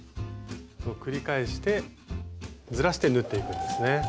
繰り返してずらして縫っていくんですね。